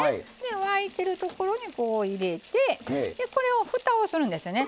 沸いているところにこう入れてこれをふたをするんですね。